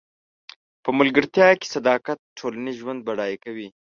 په ملګرتیا کې صداقت ټولنیز ژوند بډای کوي.